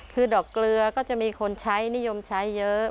คือดอกเกลือก็จะมีคนใช้นิยมใช้เยอะ